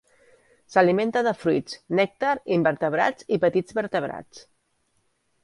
S'alimenta de fruits, nèctar, invertebrats i petits vertebrats.